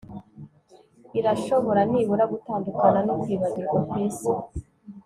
Irashobora nibura gutandukana no kwibagirwa kwisi